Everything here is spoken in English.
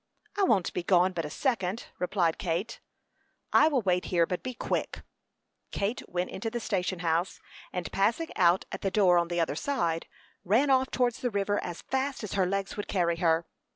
"I won't be gone but a second," replied Kate. "I will wait here but be quick." Kate went into the station house, and passing out at the door on the other side, ran off towards the river as fast as her legs would carry her.